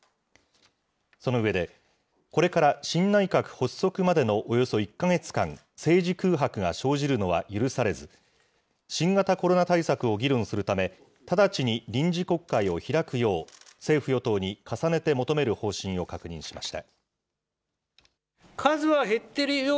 その上で、これから新内閣発足までのおよそ１か月間、政治空白が生じるのは許されず、新型コロナ対策を議論するため、直ちに臨時国会を開くよう、政府・与党に重ねて求める方針を確認しました。